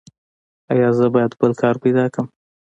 ایا زه باید بل کار پیدا کړم؟